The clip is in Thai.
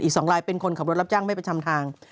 ๒ลายเป็นคนขับรถรับจ้างไม่ไปทำทาง